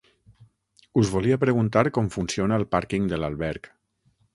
Us volia preguntar com funciona el pàrquing de l'alberg.